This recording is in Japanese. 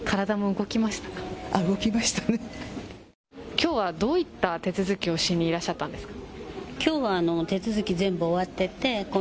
きょうはどういった手続きをしにいらっしゃったんですか。